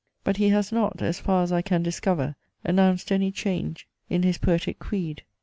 But he has not, as far as I can discover, announced any change in his poetic creed.